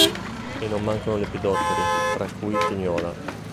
E non mancano lepidotteri, tra cui tignola.